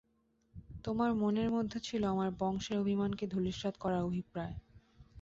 তোমার মনের মধ্যে ছিল আমার বংশের অভিমানকে ধূলিসাৎ করবার অভিপ্রায়।